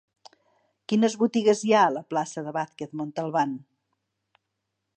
Quines botigues hi ha a la plaça de Vázquez Montalbán?